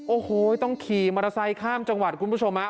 โอ้โหต้องขี่มอเตอร์ไซค์ข้ามจังหวัดคุณผู้ชมฮะ